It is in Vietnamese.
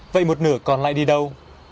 vậy một nửa còn lại đi đâu